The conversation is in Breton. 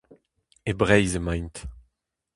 E Breizh emaint.